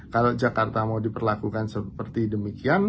kalau jakarta mau diperlakukan seperti demikian